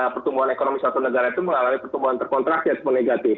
pertumbuhan ekonomi satu negara itu mengalami pertumbuhan terkontraksi ataupun negatif